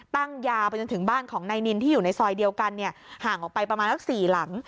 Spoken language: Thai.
ตั้งยาวไปจนถึงบ้านของนายนินที่อยู่ในซอยเดียวกันห่างออกไปประมาณสัก๔หลัง